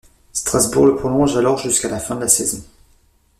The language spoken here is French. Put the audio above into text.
Strasbourg le prolonge alors jusqu'à la fin de la saison.